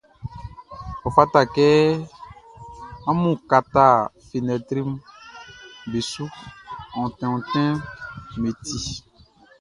Ɔ fata kɛ amun kata fenɛtriʼm be su, onti ontinʼm be ti.